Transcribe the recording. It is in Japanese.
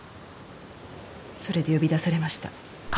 それで呼び出されました。